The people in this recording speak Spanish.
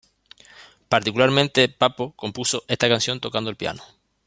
Particularmente Pappo compuso esta canción tocando el piano.